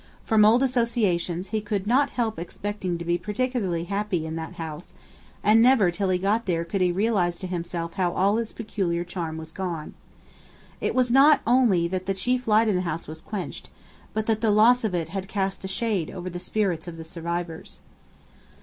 From old associations he could not help expecting to be particularly happy in that house; and never till he got there could he realise to himself how all its peculiar charm was gone. It was not only that the chief light in the house was quenched, but that the loss of it had cast a shade over the spirits of the survivors.